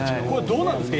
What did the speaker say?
どうなんですか？